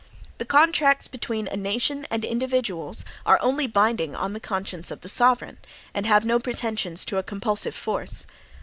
The contracts between a nation and individuals are only binding on the conscience of the sovereign, and have no pretensions to a compulsive force.